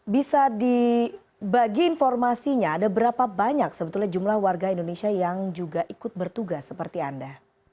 bisa dibagi informasinya ada berapa banyak sebetulnya jumlah warga indonesia yang juga ikut bertugas seperti anda